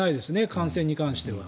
感染に関しては。